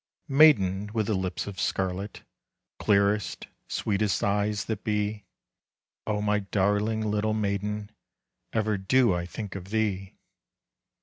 Maiden with the lips of scarlet, Clearest, sweetest eyes that be, O my darling little maiden, Ever do I think of thee!